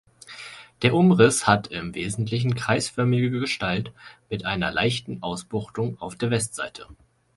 Der Umriss hat im Wesentlichen kreisförmige Gestalt mit einer leichten Ausbuchtung auf der Westseite.